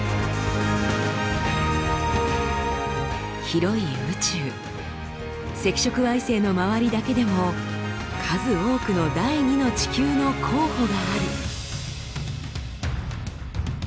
広い宇宙赤色矮星の周りだけでも数多くの第２の地球の候補がある。